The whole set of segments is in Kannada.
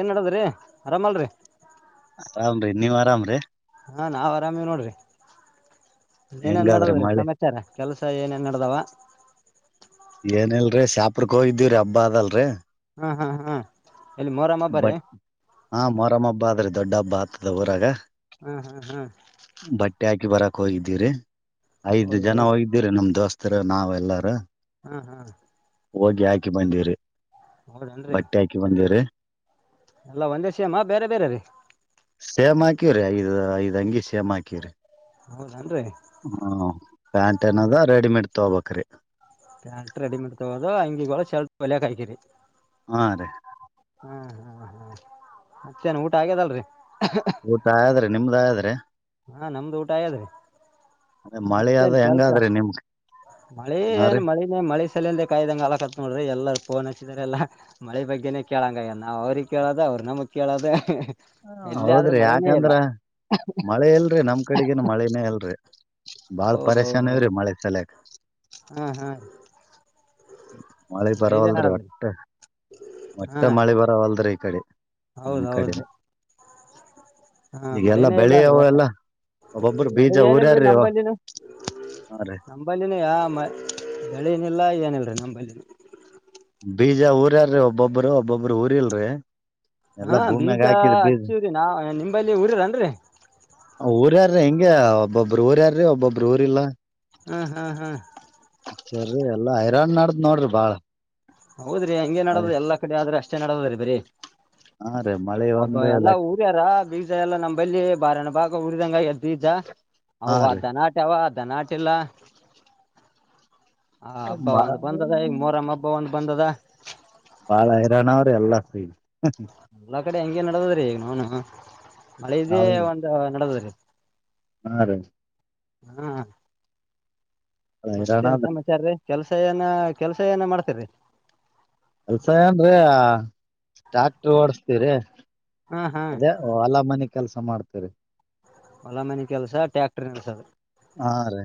ಏನ್ ನಡದ್ರಿ ಆರಾಮಲ್ರಿ ಆರಾಮ್ರೀ ನೀವ್ ಆರಾಮ್ರೀ ಹಾ ನಾವು ಆರಾಮೇ ನೋಡ್ರಿ ಏನೇನ್ ಹೆಂಗಾದ್ರಿ ನಡದ್ರೀ ಮಳೆ ಸಮಾಚಾರ ಕೆಲ್ಸ ಏನೇನ್ ನೆಡದಾವ ವ್ಯಾಪಾರಕ್ಕೆ ಹೋಗಿದ್ದೀವಿ ರೀ ಹಬ್ಬ ಅದಲ್ ರೀ ಹಾ ಹಾ ಹಾ ಎಲ್ಲಿ ಮೊರಮ್ಮ ಹಬ್ಬರಿ ಬಟ್ ಹಾ ಮಾರಮ್ಮ ಹಬ್ಬ ಆದ್ರಿ ದೊಡ್ಡ ಹಬ್ಬ ಆತ ಉರ್ದಾಗ ಹ್ಮ್ ಹ್ಮ್ ಹ್ಮ್ ತಾರಕ್ ಹೋಗಿದ್ದೀರಿ ಐದ್ ಜನ ಹೌದ್ರಿ ಹೋಗಿದ್ದೀರ ನಮ್ ದೋಸ್ತ್ ಹತ್ರ ನಾವ ಎಲ್ಲಾರ ಹ್ಮ ಹಾ ಹೋಗಿ ಹಾಕಿ ಬಂದಿರಿ ಬಟ್ಟೆ ಹಾಕಿ ಬಂದೀರಿ ಎಲ್ಲ ಒಂದೇ ಶೆಮ ಬೇರೆ ಬೇರೆ ರೀ ಸೇಮ್ ಹಾಕಿವ್ರಿ ಐದ್ ಐದ ಅಂಗಿ ಸೇಮ ಹಾಕಿವ್ರರಿ ಹೌದನೆನ್ರಿ ಹ್ಮ ಪ್ಯಾಂಟ್ ಏನದು ರೆಡಿಮೇಡ್ ತೋಕೋ ಬೇಕ್ರೆ ಪ್ಯಾಂಟ್ ರೆಡಿಮೆಡ್ ತಗೋಡು ಅಂಗಿ ಶರ್ಟ್ ಒಲಯಕ್ ಹಾಕೀರಿ ಹಾ ರೀ ಹ್ಮ್ ಹ್ಮ್ ಹ್ಮ್ ಮತ್ತೇನ್ ಊಟ ಆಗ್ಯದಲ್ರರಿ ಊಟ ಆದ್ರೆ ನಿಮ್ದ್ ಆದ್ರೆ ಹಾ ನಮ್ದು ಊಟ ಆಯಾದ್ರಿ ಮಳೆ ಅದ ಮತ್ತೇನ್ ಕೆಲ್ಸ ಹೆಂಗಾದ್ರಿ ನಿಮ್ ಮಳೆ ಹಾ ರೀ ಏನ್ ಮಳಿನೇ ಮಳ ಎಲ್ಲೇ ಕಾಯ್ದಂಗ ಆಲಕತ್ ನೋಡ್ರಿ ಎಲ್ಲರ ಫೋನ್ ಹಚ್ಚಿದರೆ ಎಲ್ಲಾ ಮಳೆ ಬಗ್ಗೆನನೆ ಕೇಳಂಗಯ ನಾವ ಅವ್ರಿಗೆ ಕೇಳೋ ಅವ್ರು ನಮಗ್ ಕೇಳೋದ ಹ ಎಲ್ಲಿ ಆದ್ರೂ ಹೌದ್ರಿ ಮಳಿನೇ ಇಲ್ಲ ಯಾಕಂದ್ರ ಮಳೆ ಎಲ್ ನಮ್ ಕಡೆಗೇ ಮಳೇನೆ ಅಲ್ರರಿ ಬಾಳ್ ಹೌದೌದು ಪರೇಶಾನ ಇವ್ರಿ ಮಳೆ ಹಾ ಹಾ ಮಳೆ ಮಳಿದೇ ಬರವಲ್ ನಡದ್ರಿ ಒಟ್ಟ ಒಟ್ಟೆ ಮಳೆ ಬರವಲ್ರಿ ಅದ್ರ ಈ ಕಡೆ ನಮ್ ಕಡೆ ಹೌದೌದು ಹಾ ಈಗೆಲ್ಲಾ ಮಳಿನೇ ಬೆಳಿ ಅವ ಇಲ್ಲನ್ರಿ ಟ್ಟ ಎಲ್ಲಾ ಒಬ್ಬೊಬ್ರು ಬೆಳಿ ಬೀಜ ಏನಲ್ರಿ ಊರ್ಯಾರ್ರಿ ಇವ ನಂಬಲ್ಲಿನ ಹಾ ರೀ ನಂಬಲ್ಲಿನೂ ಯಾ ಮಳಿ ಏನಿಲ್ಲ ಏನಲ್ರರಿ ನಂಬಲ್ಲಿ ಬೀಜ ಊರ್ಯಾರೀ ಒಬ್ಬೊಬ್ಬರು ಒಬ್ಬೊಬ್ರು ಊರಿ ಇಲ್ರರಿ ಹಾ ಬೀಜ ಹಚ್ಚಿರಿ ನಾ ನಿಮ ಮೊಬೈಲಿ ಊರಿರನ್ರಿ ಊರ್ಯಾರೀ ಹೆಂಗ ಒಬ್ಬೊಬ್ಬರು ಊರ್ಯಾರೀ ಒಬ್ಬೊಬ್ಬ್ರ ಊರಿಲ್ಲಾ ಹ್ಮ್ ಹ್ಮ್ ಹ್ಮ್ ಸರಿ ಎಲ್ಲಾ ಹೈರಾಣ್ ನೋಡ್ರಿ ಬಾಳ ಹೌದ್ರಿ ಹಂಗೆ ಮಳೆ ನಡೋದು ಎಲ್ಲ ಕಡೆ ಆದ್ರೆಷ್ಟ ನೇಡದ್ರಿ ಬ್ರರಿ ಹಾ ರೀ ಮಳಿ ಒಬ್ಬ ಒಂದ್ ಎಲ್ಲಾ ಲೆಕ್ಕ ಊರ್ಯಾರ ಬೀಜ ಎಲ್ಲಾ ನಮ್ಮ್ಲ್ಲಿ ಬಾರಣ ಬಾ ಉರಿದಂಗ ಬೀಜ ಹಾ ಅವ ರೀ ದನಟ್ಟವ ನಾಟಿಲ್ಲ ಆ ಹಬ್ಬ ಬಾ ಒಂದ್ ಬಂದದ ಈಗ ಮೊರಮ್ಮ ಹಬ್ಬ ಒಂದ್ ಬಂದದ ಬಾಳ ಹೈರಾಣ ಅವ್ರ ಎಲ್ಲ ಸನ್ ಎಲ್ಲ ಕಡೆ ಹಂಗಗೆ ನಡದದ್ರಿ ಈಗ ನೋನು ಮಳೆದೇ ಹೌದ್ ಒಂದ ನಡದ್ರಿ ಹಾ ರೀ ಹಾ ಹೈರಾಣ ಮತ್ತೇನ್ ಅದ್ರಿ ಸಮಾಚಾರ ರೀ ಕೆಲ್ಸ ಏನ ಕೆಲ್ಸ ಏನ ಮಾಡ್ತೇರಿ ಕೆಲ್ಸ ಏನ್ರೀ ಸರಿ ಹಾ ಹಾ ಅದೇ ಹೊಲ ಮನಿ ಕೆಲಸ ಮಾಡ್ತರಿ ಹೊಲಮನೆ ಕೆಲ್ಸ ಟ್ಯಾಕ್ಟರ್ ನಿಳ್ಸೋದು ಹಾ ರೀ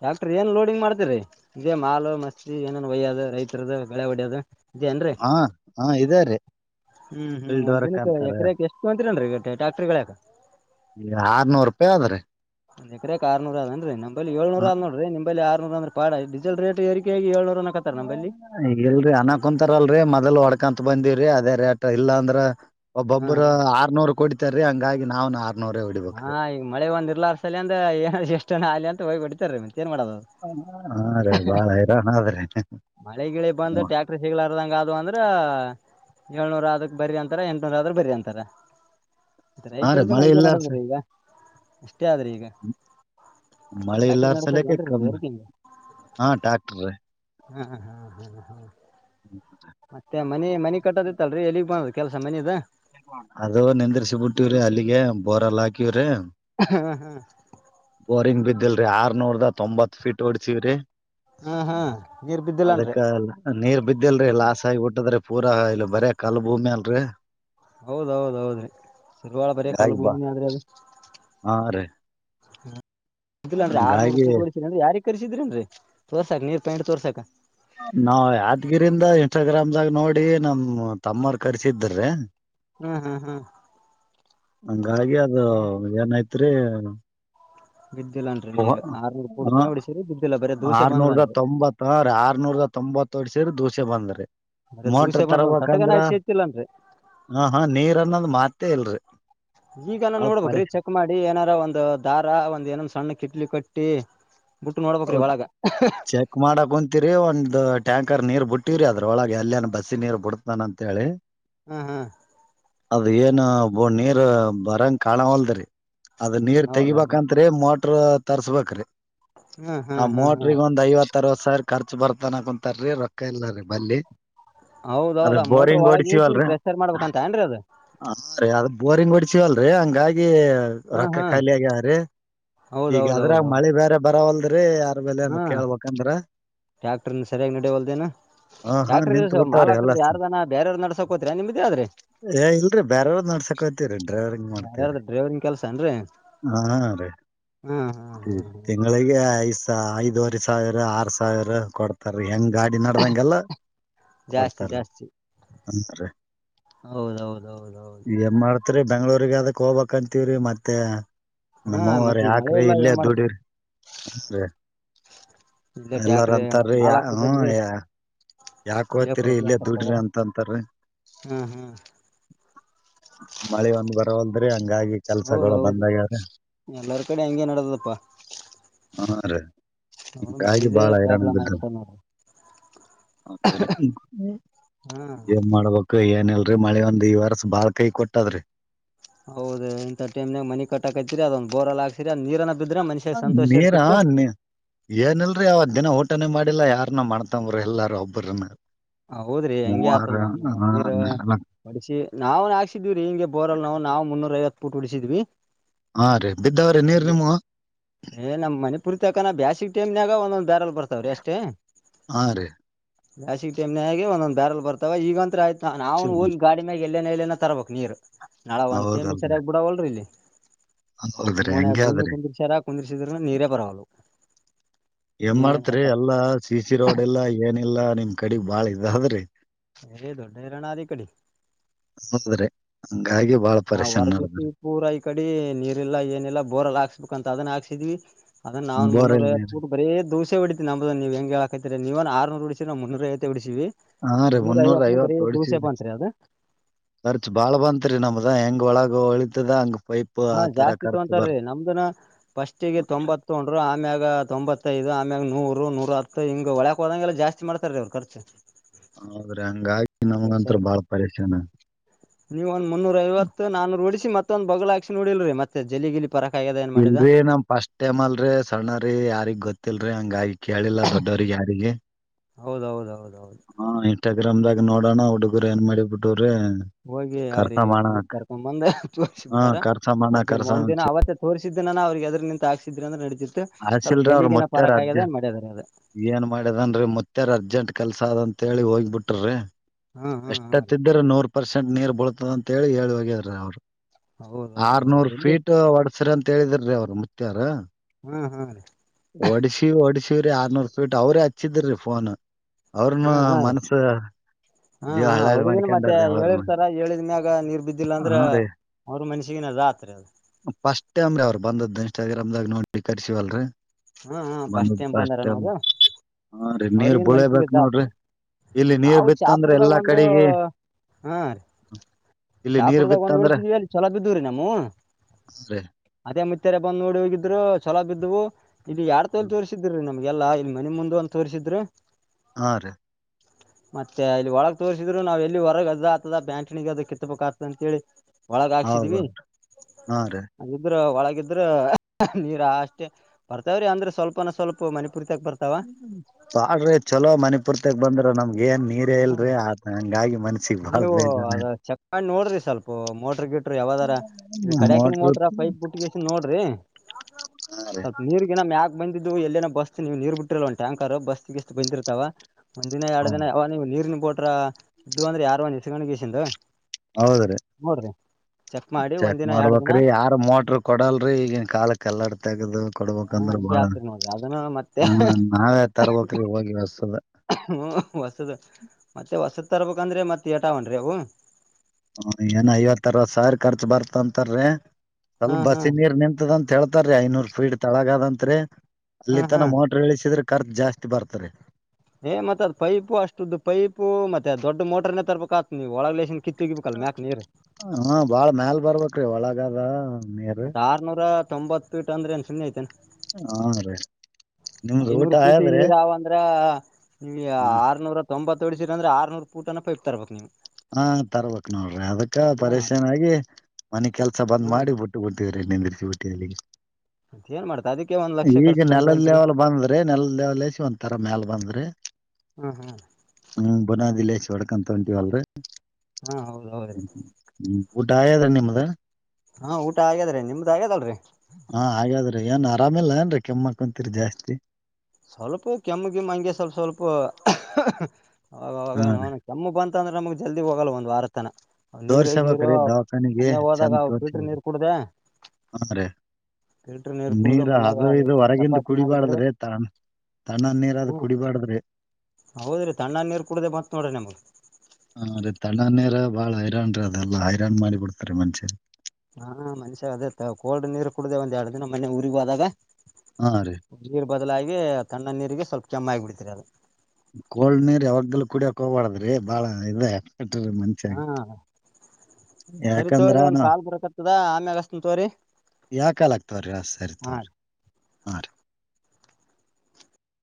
ಟ್ರ್ಯಾಕ್ಟರ್ ಏನ್ ಲೋಡಿಂಗ್ ಮಾಡ್ತರಿ ಇದೇ ಮಾಲ್ ಮಸ್ತಿ ಏನೇನ್ ಒಯ್ಯದ ರೈತರದ ಬೆಳೆ ಹೊಡ್ಯೋದು ಮಾತೇನ್ರೀ ಹಾ ಹಾ ಇದೇರಿ ಹ್ಮ್ ಹ್ಮ್ ಫೀಲ್ಡ್ ಒಂದ ವರ್ಕ್ ದಿನಕ್ಕೆ ಅಂತಾರ ಎಕರೆ ಯಾಕ ಎಷ್ಟು ತಕೊಂತೀರೆನ್ರಿ ಟ್ರ್ಯಾಕ್ಟರ್ಗಳು ಈ ಆರ್ನೂರು ರೂಪಾಯಿ ಆದದ್ರಿ ಒಂದು ಎಕರೆಗೆ ಅರ್ನುರ್ ಅದೇಂದ್ರಿ ಬರಿ ಹಾ. ಏಳುನೂರು ಆರನೂರು ರೀ ನಿಂಬಲ್ಲಿ ಅಂದ್ರೆ ಬ್ಯಾಡ ಡೀಜಲ್ ರೇಟ್ ಏರಿಕೆ ಹಾಗಿ ಇಲ್ರರಿ ಅನ ಕುಂತಾರಲ್ರರಿ ಮೊದಲ್ ಹೊಡ್ ಕೊಡ್ತಾ ಬಂದಿವವ್ರಿ ಅದೇ ರೇಟ್ ಇಲ್ಲ ಅಂದ್ರ ಹಾ ಒಬ್ಬೊಬ್ರು ಆರ್ನೂರು ಕುಡಿತಾರೀ ಹಂಗಾಗಿ ನಾವ್ ಹಾ ಈಗ ಮಳೆ ಒಂದ್ ಇರ್ಲಾರಸಲಿ ಅಂದ್ರ ಏನ್ ಎಷ್ಟಹನ ಆಲಿ ಅಂತ ಹೋಡೀಬಿಡ್. [unintelligible] ಏನ್ ಮಾಡದು ಹಾ ರೀ ಬಾಳ ಹೈರಾಣ ಆದ್ರಿ ಮಳೆಗಿಳೆ ಬಂದು ಟ್ಯಾಕ್ಟರ್ ಸಿಗ್ಲಾರದಂಗ ಅದ್ ಅಂದ್ರೆ ಏಳ್ನೂರ ಆದಕ್ ಬರಿ ಅಂತ ಎಂಟನೂರ ಆದ್ರ ಬರ್ರಿ ಅಂತರೆ ಹಾ ರೀ ಮಳೆ ಇಲ್ಲಾರ್. ಚೆ [unintelligible] ಮಳೆ ಟ್ಯಾಕ್ಟರ್ ಇಲ್ಲಾರ ಸಲಯಕ್ಕೆ ನಡಸದೇನ್ರಿ ಕಮ್ಮಿ ನಿಮ್ವರ್ಗ ಹಿಂಗ ಹಾ ಟ್ಯಾಕ್ಟ್ರ. ಹಾ ಹಾ ಹಾ ಹಾ. ಮತ್ತೆ ಮನೆ ಮನೆ ಕಟ್ಟದತ್ತಲ್ರರಿ ಎಲ್ಲಿಗ್. [unintelligible] ಕೆಲಸ ಮನೆದು. ಅದು ನೆಂದರ್ಸಿಬ ಬಿಟ್ಟವ್ರಿ ಅಲ್ಲಿಗೆ ಬೋರ್ ಎಲ್ಲ ಹಾಕಿದ್ರೆ. ಹಾ ಹಾ. ಬೋರಿಂಗ್ ಬಿದ್ದಿಲ್ರಿ ಆರ್ನೂರ್ದ ತೊತ್ ಫೀಟ್ ಓಡ್ಸಿವವ್ರೀ. ಹಾ ಹಾ ನೀರ್ ಬಿದ್ದಿಲ್ಲನ್ರಿ ಅದಕ್ಕ ನೀರ್ ಬಿದ್ದಿಲ್ರಿ ಲಾಸ್ ಆಗಿಬಟ್ಟದ್ರೆ. ಪೂರಾ ಇಲ್ಲಿ ಬರೆ ಕಾಲ್ ಭೂಮಿ ಅಲ್ರರಿ. ಹೌದೌದೌದ್ರಿ ಸರ್ವಾಳ ಬರಿ ಕಲ್ಲು ಹಿಂಗಾಗಿ ಬಾ ಭೂಮಿನ ಆದ್ರೆ ಅದು. ಹಾ ರೀ ಹ್ಮ. ಹಂಗಾಗಿ [unintelligible] ಕರ್ಸಿದ್ರಿನ್ರಿ ತೋರ್ಸಾಕ್ ನೀರ್ ಪಾಯಿಂಟ್ ತೋರ್ಸಾಕ. ನಾವ್ ಯಾದ್ಗಿರಿಂದ ಇನ್ಸ್ಟಾಗ್ರಾಮ್ದಾಗ ನೋಡಿ ನಮ್ ತಮ್ಮರ್ ಕರ್ಸಿದ್ರೀ. ಹ್ಮ್ ಹ್ಮ್ ಹ್ಮ್ ಹಂಗಾಗಿ ಅದು ಏನ ಆಯ್ತ. ತ್ರೀ. ಬಿದ್ದಿಲ್ಲನ್ರಿ ಹೊ ನೀರ್ ಆರ್ನೂರ್ ಫೂಟ್ ಹ ತನ ಹೊಡಿಸಿರಿ ಬಿದ್ದಿಲ್ಲ ಬರೇ ದೂಸೆ ಆರ್ನೂರದ ಬಂದದನ್ರಿ ತೊಂಬತ್ತ ರೀ ಆರ್ನೂರ ದ ತೊಂಬತ್ತಡ್ ಸೇರಿ ದೋಸ್. ಚೆ ಬಂದ್ರೆ. ಬರೇ ಮೋಟ್ರ ದೂಸೆ ಬಂದ ಒಂದ್ ತಟಗನ ತರಬೇಕಂದ್ರ ಹಚ್ಚಿ ಎತ್ತಿಲ್ಲನ್ರಿ ಹ ಹಾ ನೀರ್ ಅನ್ನೋದು ಮಾತ್. ತ್ತೆ ಎಲ್ರಿ. ಈಗ ನಾನ್ ನೋಡ್ಬ್ರಿ ಚೆಕ್ ಮಾಡಿ ಏನಾರ ಒಂದ್ ದಾರ ಒಂದ್ [unintelligible] ಸಣ್ಣ ಕಿಟ್ಲಿ ಕಟ್ಟಿ. ಬಿಟ್ಟು ನೋಡ್ಬೇಕ್ರಿ ಹೌದ ಒಳಗ ಚೆಕ್ ಮಾಡಕ ಕುಂತೀರಿ ಒಂದ್. ಟ್ ಟ್ಯಾಂಕರ್ ನೀರ್ ಬಿಟ್ಟಿರಿ ಅದ್ರ ಒಳಗೆ ಎಲ್ಲೇಏನ್ ಬಸ್ಸಿ ನೀರುರ್ ಬಿಡ್ತಾನ ಅಂತ ಹೇಳಿ. ಹಾ ಹಾ ಅದು ಏನು ಬ ನೀರ್ ಬರಂಗ ಕಾಣವಲ್ದ್ರರಿ. ಅದ ನೀರ್ ಹೌದಾ ಹ್ಮ್ ತೆಗಿಬೇಕಂತ್ರೆ ಮೊಟ್. ಟ್ರು ತರ್ಸಬೇಕ್ರಿ. ಹ ಹ್ಮ್ ಹ್ಮ್ ಹ್ಮ್ ಮೋಟ್ರಿಗ್ ಒಂದ್ ಐವತ್ತು. ರ್ ಸರ್ ರ್ಚ್ ಬರ್ತಾನನ ಕುಂತಾರೀ ರೊಕ್ಕ ಇಲ್ಲ ರರಿ. ಬ ಅದ ಹೌದೌದ ಮೋಟ್ರ ಬೋರಿಂಗ್ ಒಳಗ ಇಳಿಸಿ ಹೊಓಡತೀವಲ್ರಿ ಅ. ಪ್ರೆಷರ್ ಮಾಡ್ಬೇಕಂತ ಏನ್ರಿ ಅದು ಬೋರಿಂಗ್ ಹೊಡಸಿವಲ್ರರಿ ಹಂಗಾಗಿ ಹಾ ರೊಕ್ಕ ಹಾ ಖಾಲಿ ಆಗಾವ್ರೀ ಈಗ ಅದ್ರ ಮಳೆ ಬೇರೆ ಬರ ಹ್ಮ ಟ್ಯಾಕ್ಟರ್ನ ಸರಿಯಾಗಿ ನಡವಲ್ದೇನು ಹಾ ಹಾ ನಿಂತ್ ಟ್ಯಾಕ್ಟ್ರಸ ಮಾಲ್ ಬಿಟ್ಟವ್ರಿ ಹಕ ಎಲ್ಲ ಯಾರ್ದಾನ ಬೇರಾರ್ದ ನಡಸಕ್ ಹೋತ್ರಿ ನಿಮ್ದ ಆದ್ರಿ ಏ ಇಲ್ರಿ ಬ್ಯಾರೆಯವ್ರದ್ ನಡ್ಸಕತ್ತೀವ್ರಿ ಡ್ರೈವರಿಂಗ್ ಮಾಡ್ತೀವ್ರಿ ಯಾರಾರ್ದ ಡ್ರೈವರಿಂಗ್ ಕೆಲ್ಸ ಅನ್ರಿ ಹಾ ಹ್ಮ ಹ್ಮ ಹ್ಮ್ ಹ ಐದು ಐದುವವರೆ ಸಾವಿರ ಆರ್ ಸಾವಿರ ಕೊಡ್ತಾರೆ ಹೆಂಗ. ಗಾಡಿ ನಡ್ದಂಲ್ಲ ಜಾಸ್ತಿ ಕೊಡ್ತಾರ. ಜಾಸ್ತಿ ಅಂದ್ರ ಹೌದೌದೌದೌದು ಏನ್ ಮಾಡ್ತ್ರಿ. ಬೆಂಗ್ಗಳೂರಿಗೆ ಅದಕ್ ಹೋಗ್ಬೇಕಕ್ಂತೀವ್ರೀ ಮತ್ತೆ ಹಾ ನಮ್ಮವ್ರ ಮತ್ತ ಈಗ ಮಳೆ ಯಾಕ್ರಿ ಇಲ್ಲ ಇಲ್ಲೇ ಏನ್ ಮಾಡ್ತರಿ ದುಡರಿ ಹರಿ ಇಲ್ಲೇ ಎಲ್ಲಾರ ಟ್ಯಾಕ್ಟ್ರಿ ಮತ್ ಅಂತಾರೀ ಯ ಮಾಲಾಕ್ರ ಹ್ಮ ಬಲ್ಲಿ ಯಾಕ ಹತರಿ ಕೊಡ್ತೀವಿ ಇಲ್ಲೇ ಅಂತಾರ ದುಡ್ರಿ ಪಗಾರ ಅಂತಂತಾರ. ಹ್ಮ್ ಹ್ಮ್ ಮಳೆ ಒಂದ್ ಬರವಲ್ದ್ರಿ ಹಂಗಾಗಿ ಕೆಲ್ಸಗಳು ಹೌದೌದು ಬಂದಗ್ಯಾರ ಎಲ್ಲರ ಕಡೆ ಹಂಗೆ ಹ. ರ. ಹ ಮಳಿದೇ ಪ್ರಾಬ್ಲಮ್ ಆಗ್ಬಿಟ್ಟಿದೆ ನೋಡ್ರಿ. ಹ್ಮ ಏನ್ ಮಾಡ್ಬೇಕು ಏನ್ಲ್. ಮಳೆ ಒಂದ್ ಈ ವರ್ಸ ಬಾಳ್ ಕೈ ಕೊಟ್ಟದ್ರಿ. ಹೌದ ಇಂಥ ಟೈಮ್ನಾಗ ಮನಿ ಕಟ್ಟಾಕೈತಿರಿ ಅದೊಂದ ಬೋರ್ವಾಲ್ ಹಾಕ್ಸಿರಿ ಅ ನೀರನ ಬಿದ್ರ ಮನುಷ್ಯ ಸಂತೋಷ ನೀರಾ ಇರ್ತಿತ್ತ ನೀ ಏನಲ್ರರಿ ಅವತ್ ದಿನ ಹ ಪಟನೆ ಮಾಡಿಲ್ಲಾ ಯಾರನ್ನ ಮಾಡ್ತಂಬ್ರರು ಎಲ್ಲಾರ ಒಬ್ಬ್ರನ್ನ. ಹೌದ್ರಿ ಹೆಂಗೆ ಆತದ ನಾವ್ ನಾವವು ನೀರು ನಾಲ್ಕ್ ಬಡಿಸಿ ನಾವ್ನ್ ಹಾಕ್ಸಿದಿವವಿರೀ ಹಿಂಗೆ ಬೋರಲ್ ನಾವವು ನಾವು ಮುನ್ನೂರ ಐವತ್ತು ಪುಟುಡಿಸಿದ್ವಿ ಹಾ ರೀ ಬಿದ್ದವ್ರೆ ನೀರ್ ನಿಮ್ಮ. ಏ ನಮ್ ಮನಿಪುರ್ ತಕ ಬ್ಯಾಸಿಕ್ ಟೈಮನ್ನಾಗ ಒಂದೊಂದ ಬ್ಯಾರಲ್ ಬರ್ತಾವ್ರಿ ಅಷ್ಟೇ. ಹಾ ರೀ ಭ್ಯಾಸಿಗ್ ಟೈಮ ನ ಆಗೆ ಒಂದೊಂದ ದಾರಲ್ ಬರ್ತವ ಈಗಂತ್ರ ಆಯ್ತು ಹಾ ಛೆ, ನಾವು ಹೋಗಿ ಗಾಡಿ ಮೇಲೆ ಎಲ್ಲೆನ ಎಲ್ಲೇನ ತರಬೇಕು ನೀರು. ನಾಳೆ ಒಂದ ಮಿ ಸರಿಯಾಗ ಬಿಡಾ ಅಲ್ರಿ ಇಲ್ಲಿ. ಹ ಹೌದ್ರಿ ಹಾಂಗ್ಯದ್ರಿ. ನೀರೆ ಬರವಾಲ್ವ್. ಏನ್ ಮಾಡ್ತ್ರಿ ಎಲ್ಲಾ ಸಿ ಸಿ ರೋಡ್ ಎಲ್ಲಾ ಏನಿಲ್ಲಾ ನಿಮ್ ಕಡೆಗ್ ಬಾಳ ಇದದ್ರಿ. ಹ ದೊಡ್ಡರನ ಅದಿಕಡಿ. [unintelligible] ಹಾ ಪರೇಶಾನ್ ವರ್ಗಿಸಿ ನಡದ್ರಿ ಪೂರಾ ಈ ಕಡೆ ನೀರ್ಲ್ಲಾ ಏನಿಲ್ಲ ಬೋರಲ್ ಹಾಕ್ಸ್ಬೇಕ ಅಂತ ಅದನ್ನ ಹಾಕ್ಸ [inaudible] ಅದೇ ನಾನ್ ಬೋರ್ವೆಲ್ ನೀರ್ ಮುೂರವತ್ತು ಬರೀ ದೂಸ ಹಡ ನಂಬದ ನೀವು ಹೆಂ ಹೇಳಾಕೈರಿ ನೀವನ್ ಆರುೂರು ಉಡಿಸಿರ ಮುನ್ನೂರೈಐತ ಹಾ ರೀ ಮುನ್ನೂರ ಐವತ್ತು ದೂಸೆ ಓಡಸರಿ ಬಂತ್ರಿ ಅದ ಕರ್ಚ ಬಾಳ್ ಬಂತತ್ರಿ ನಮ್ದ ಹೆಂಗ ಒಳಗ ಹೊಳಿತದಂಗ ಹಾ ಜಾಸ್ತಿ ತೊಂತಾರೀ ನಮ್ದನ ಫಸ್ಟಿಗೆ ತೊಂಬತ್ತೊಂಡರು ಆಮ್ಯಾಗ ತೊಂಬತ್ತೈದು ಆಮ್ಯಾಗ ನೂರು ನೂ ಹತ್ತು ಹಿಂಗ ಒಳಕಕ್ ಹೋದಂಗೆಲ್ಲ ಜಾಸ್ತಿ ಮಾಡತಾರೆ ಅವ್ ಖರ್ಚು ಹೌದ್ರೆ ಹಂಗಾಗಿ ನಮ್ಗಂತ್ರ ಬಾಳ ಪರೇಶಾನ್ ನೀವ ಒಂದ್ ಮುನ್ನೂರ ಐವತ್ತು ನಾನೂರು ಉಡಿಸಿ ಮತ್ತ ಒಂದ್ ಬಗಳ ಹಾಸಿ ನಡಿಲ್ರಿ ಮತ್ತೆ ಜಲ ಗಿಲ್ಲಿ ಇಲ್ರರಿ ನಮ್ ಫಸ್ಟ್ ಟೈಮ್ ಅಲ್ರರಿ ಸಣ್ಣರಿ ಯಾರಿಗ್ ಗೊತ್ತಿಲ್ರಿ ಅಂಗಾಯ [unintelligible] ಕೇಳಿಲ್ಲ ದೊಡ್ಡವರಿಗೆ ಯಾರಿಗೆ ಹೌದೌದ ಹೌದು ಹಾ ಎತ [inaudible] ರಾಮ್ಮ್ದಾಗ ನೋಣ ಹುಡುಗರು ನ್ ಮಾಡಿ ಬಿಟ್ಟರು ಹೋಗಿ ಅವ್ರಿಗೆ ಕರ್ಕೊಂದೆ ತೋಸಬ ಹಾ ಬಿಟ್ಟಾರ ಕರ್ಸ ಮಾಡ ಅಜ್ಜೆ ಕರ್ಸ ಒಂದ್ ದಿನ ಅಂತ ಅವತ್ತೇ ತೋರ್ರಿಸಿದ್ದೆನಾನ ಅವ್ರಿಗೆ ಅದ್ರ ನಿಂತ ಹಕ್ಸಿದ್ರಿ ಅಂದ್ರೆ ನಡ ಆಸಿಲ್ರೀ ಅವ್ರರು ಮತ್ತೆರ್ ಅರ್ಜೆಂಟ್ ಮಾಡ್ಯದ್ರ ಅದ ಏನ್ ಮಾಡದನ್ರಿ ಮತ್ತೇಾರ್ ಅರ್ಜೆಂಟ್ ಕೆಲ್ಸ ಅದಂತ ಹೇಳಿ ಹೋಗ್ಬಿಟ್ಟರಿ ಹಾ ಹಾ ಎಷ್ಟ ಹಾ ಹತ್ತ ರೀ ಇದಿದ್ರ ನೋಡ್ ಪರ್ಸೆಂಟ್ ನೀರ್ ಬಳತದ ಅಂತ ಹೇಳಿ ಹೇಳಿ ಹೋಗಿದ ಅವರು ಹೌದ ಹೌದೌದು ಆರ್ನೂರು ಎಲ್ಲಿ ಫೀಟ್ ಒಡ್ಸ ಸರಿ ಅಂತ ಹೇಳಿದ್ರೀ ಅವ್ರು [inaudible] ಹಾ ಹಾ ರೀ ಒಡ್ಶಿ ಓಡಿಶಿ ಶ್ರರಿ ಆರ್ನೂರ್ ಸ್ಪೀಟ್ ಅವ್ರೇ ಹಚ್ಚಿದ್ರಿ ಫೋನ್ ಅವ್ರನ್ನ ಹಾ ಹಾ ರೀ ಮನಸ ಹಾ ಅವ್ರಿಗೇನು ಮತ್ತೆ ಹೇಳಿರ್ತಾರ ಹೇಳಿ ಇದ್ಮ್ಯಾಗ್ ಗ ನೀರ್ ಬಿದ್ದಿಲ್ಲ ಅಂದ್ರೆ ಹಾ ರೀ ಅವ್ರ ಮಷ [unintelligible] ಫಸ್ಟ್ ಟೈಮ್ರಿರಿ ಅವ್ರರು ಬಂದದ್ದು ಇನ್ಸ್ಟಾಗ್ರಾಮ್ ನೋಡಿ ಕರ್ಸಿವಲ್ರರಿ ಹಾ ಹ ಫಸ್ಟ್ ಟೈಮ್ ಬಂದಾರನವರು ಹಾ ರೀ ನೀರ್ ಅವ್ರಗೇನ್ ಮನಸ್ಸಿಗೆ ಬೀಳಬೇಕ್ ಇದ ನೋಡ್ರಿ ಆಗ್ತದ ಇಲ್ಲಿ ನೀರ್ ನಾವು ಬಿತ್ತಂದ್ರ ಶಾಪುರದಾಗ ಎಲ್ಲಾ ಒಂದು ಕಡಿಗಿ ಹ ಇಲ್ಲಿ ನೀರ್ ಶಾಪುರದಾಗ ಒಂದು ಬಿತ್ತಂದ್ರ ಉಳಿತಿದೀವಿ ಅಲ್ಲಿ ಚಲೋ ಬಿದ್ದುದರೀ ನಮ್ಮೂ ಹಾ ರೀ ಅದೇ ಮುತ್ತಾರೆ ಬಂದು ನೋಡಿ ಹೋಗಿದ್ರು ಹೊಲ ಬಿದ್ದವು ಇಲ್ಲಿ ಯಾರ್ ತೋಲಿ ತೋರಿಸಿದ್ರಿ ನಮಗ ಎಲ್ಲಾ ಇಲ್ಲಿ ಮನೆ ಮುಂದ ಒಂದ ತೋರಿಸಿದ್ರು. ಆ ರಿ ಮತ್ತೆ ಇಲ್ಲಿ ಒಳಗ್ ತೋರ್ರಿಸಿದ್ರು ನಾವ್ ಎಲ್ಲಿ ಹೊರಗ ಅಜ ಆತದ ಬ್ಯಾಂಕನಗ ಅದ ಕಿತ್ತಬೇಕಾತದ ಅಂತೇಳಿ, ಒಳಗ ಹಾಕ್ಸಿದ್ವಿ ಹೌದೌದ್ ಹಾ ರೀ ಇದ್ರ ಒಳಗ ಗಿದ್ರ ನೀರ ಹಾಷ್ಟಿ ಬರ್ತವ್ರೀ ಅಂದ್ರ ಸ್ವಲ್ಪನ್ ಸ್ವಲ್ಪ ಮನಿ ಪಾಡ್ರಿ ಚಲೋ ಮನೆ ಪೂರ್ತೆಕ. ಬಂದ್ರ ನಮ್, ಹ್ಮ ಮನ್ಸಿಗ್ ಬಾಳ್ ನೀವು ಅದ ಬೇಜಾರಾಯ್ತ್ ಚೆಕ್ ಮಾಡಿ ನೋಡ್ರಿ ಸ್ವಲ್ಪ ಮೋಟ್ರ ಗಿಟರು ಯಾವದಾರ ಕಡಾಕಿನ ಮೋಟ್ರು ಮೋಟ್ರ ಪೈಪ್ ಬುಟ್ಟಗೆಸಿನ್ ನೋಡ್ರಿ ಹಾ ರೀ ಸ್ವಲ್ಪ ನೀರ್ಗಿನ ಮ್ಯಾಕ್ ಬಂದಿದ ಇದು ಎಲ್ಲೇನ ಬಸ್ ನೀವು ನೀರ್ ಬಿಟ್ಟಿಲ್ವ ಟ್ಯಾಂಕರ್ ಬಸ್ತಗಿಸ್ತ ಬಂದಿರ್ತಾವ. ಒಂದೀನ ಎರಡ ಹ್ಮ್ ದಿನ. ನೀರಿನ ಬೋಟ್ರ ಇದು ಅಂದ್ರೆ ಯಾರು ಅಸ್ಕೋಂಡ ಕೇಸಿಂದ, ಹೌದ್ರಿ ಮಾಡಿ ಚೆಕ್ ಒಂದಿನ ಎರಡ್ ದಿನ ಮಾಡ್ಬಕ್ರಿ ಯಾರ ಮೋಟ್ರ ಕೊಡಲ್ರಿ ಈಗನ್ ಕಾಲಕ್ಕ ಎಲ್ಲಾಡ್ ತಗದ ಹ ಕೊಡ್ಬಕ್ಂದ್ರ ಹಿಂಗೆ ಬಾಳ ಹಾಕ್ತಿರಿ ನೋಡ್ರಿ ಅದನ್ನು ಮತ್ತೆ ನಾವೇ ತರಬೇಕರಿ ಹೋಗಿ ಒಸ್ಸುಗ್. ಹ್ಮ ಹೊಸದ ಮತ್ತೆ ಹೊಸದ. ತರ್ಬೇಕಂದ್ರೆ ಮತ್ತ ಏಟಾ ಹೊಂಟಿದೆವು. ಹ ಏನ ಐವತ್ತ ಅರವತ್ ಸಾವಿರ್ ಖರ್ಚ ಬರ್ತಂತರಿ. ಹಾ ಸ್ವಲ್ಪ ಹಾ ಬಸಿ ನೀರ್ ನಿಂತದಂತ ಹೇಳ್ತಾರೀ ಐನೂರ್ ಫೀಟ್ ತಳಗದಂತ್ರಿ ಹಾ ಅಲ್ಲಿ ಹಾ ತನ ಮೋಟರ್ ಇಳಿಸಿದ್ರ ಖರ್ಚು ಜಾಸ್ತಿ ಬರ್ತರಿ. ಏ ಮತ್ತ ಅದ್ ಪೈಪ್ ಅಷ್ಟುದ ಪೈಪು ಮತ್ತೆ ದೊಡ್ಡ ಮೋಟರ್ನೇ ತರ್ಬೇಕಾತ್ದ ನೀವ ಒಳಗೆಸಿನ್. ಹಾ ಬಾಳ ಮ್ಯಾಲ ಬರ್ಬಕ. ಅಕ್ರೆ ಒಳಗಾದ ಮತ್ತ ಆರ್ನೂರ ತೊಂಬತ್ತ ಫಿಟ್ ಅಂದ್ರ ಏನ್ ಸುಮ್ಮನೆ ಐತೆನ? ಹಾ ರೀ ನಿಮ್ದ ಊಟ ಐನೂರ ಪೂಟಿ ಆಯದ್ರಿ ನೀರ ಅವಂದ್ರ ಇಲ್ಲಿ ಆರ್ನೂರ ತೊಂಬತ್. ತೊಡ್ಸಿದ್ರ ಅಂದ್ರ ಆರ್ನೂರ್ ಫಿಟ್ ಪೈಪ್ ತರ್ಬೇಕ ನೀವು. ಹಾ ತರ್ಬೇಕಕ್ ನೋಡ್ರಿ ಅದಕ್ಕ ಹ್ಮ ಪರಿಶನ್ ಆಗಿ ಮನಿ ಕೆಲ್ಸ ಬಂದ್ ಹಾ ಮಾಡಿ ಬಿಟ್ಟ [unintelligible] ಮತ್ ಏನ್ ಮಾಡ್ತ ಅದಕ್ಕೆ ಒಂದ್ ಲಕ್ಷ ಈಗ ಖರ್ಚು ನೆಲದ ಬಂದದಂತ್ರಿ ಲೆವಲ್ ಬಂದದ್ರಿ ನೆಲದ ಲೆವಲ್ಸಿ ಒಂತರ ಮ್ಯಾಲ ಬಂದದ್ರಿ ಹ್ಮ್ ಹ್ಮ್ ಹ್ಮ ಬುನಾದಿ ಲೆಸಿ ತೊಡಕ ಅಂತ ಉಂಟವಲ್ರಿ ಹ್ಮ ಹಾ ಹೌದ್ ಹೌದ್ರಿ ಉಟ ಆಗ್ಯದ್ರಿ ನಿಮ್ ದ ಹಾ ಊಟ ಆಗ್ಯಾದ್ರಿ ನಿಮ್ದ ಆಗ್ಯದಲ್ಲ್ರಿ? ಹಾ ಆಗ್ಯಾದ್ರಿ ಏನ್ ಆರಾಮಿಲ್ಲ ಏನ್ರೀ, ಕೆಮ್ಮಾ ಕುಂತೀರಿ ಜಾಸ್ತಿ. ಸ್ವಲ್ಪ ಕೆಮ್ಮು ಗಿಮ್ಮ್ ಹಂಗೆ ಸ್ವಲ್ಪ ಸ್ವಲ್ಪ [unintelligible] ಅವಾಗವಾಗ ಹಾ ರೀ ನೌನ್ ಕೆಮ್ಮು ಬಂದ. ದ್ರ ನಮ್ಗ್ ಜಲ್ದಿ ಹೋಗಲ್ಲ ಒಂದು ವಾರತನ. ನೀರು ಗೀರು ತೋರ್ಸಬೇಕ್ರಿ ದವಾಖಾನಿಗೆ ಮನ್ನಯ ಹೋದಾಗ ಚಂದ್ ಪಫೀಲ್ಟ್ರ ತೋರ್ಸ್ಬೇಕು ನೀರ್ ಕುಡ್ದ ಹಾ ರೆ ಫಿಲ್ಟರ್ ನೀರ್ ಕುಡ್ದು ನೀರ ಅದುದು ಹೊರಗಂದು ಕುಡಿಬಾರ್ದ್ರೆ. ಹೋ ಹೌದ್ರಿ ತಣ್ಣ ನೀರು ಕುಡ್ದ ಮತ್ ನೋಡ್ರ ನಮಗ. ಹಾ ರೀ ತಣ್ಣನೇರ ಬಾಳ್ ಹೈರಾಣ ರೀ ಅದೆಲ್ಲಾ ಹೈರಾಣ್ ಮಾಡಿ ಬಿಡ್ತಾರ ಮನ್ ಹಾ ಮನುಷ್ಯ ಅದೇ ಕೋಲ್ಡ್ ನೀರು ಕುಡುದ ಒಂದ ಎರಡು ದಿನ ಮನೆ ಊರಿಗ ಹೋದಾಗ. ಹಾ ರೀ ಮೊದಲಾಗಿ ತಣ್ಣ ನೀರಿಗೆ ಸ್ವಲ್ಪ ಚಮ ಆಗ ಬಿಡ್ತರಿ ಅದು. ಕೋಳ್ ನೀರ್ ಯಾವಾಗಲ್ಲ ಕುಡಿಯಕ ಹೋಗಬಾರ್ದ್ರಿ ಬಾಳ ಇದೆ. ಟ ಮಂಚಾಗ ಹಾ ಸರಿ ತೋರಿ ಒಂದ್ ಯಾಕಂದ್ರನು ಕಾಲ್ ಬರಕತ್ತದ ಆಮ್ಯಾಗ ಹಸ್ತನ್ ತೋರಿ ಯಾಕಾಲ ಆಗ್ತವ್ರೀ ಹಾ. ಸರಿತವ್ರಿ ಆ